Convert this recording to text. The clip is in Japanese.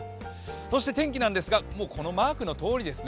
そして天気なんですがこのマークのとおりです